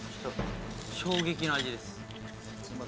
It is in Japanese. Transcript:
衝撃の味です。